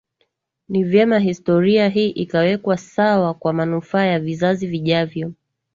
ni vyema historia hii ikawekwa sawa kwa manufaa ya vizazi vijavyo